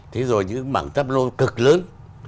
thế rồi những mảng táp lô cực lớn